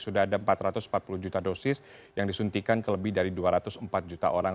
sudah ada empat ratus empat puluh juta dosis yang disuntikan ke lebih dari dua ratus empat juta orang